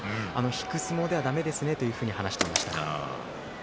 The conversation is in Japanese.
引く相撲ではだめですねと話していました。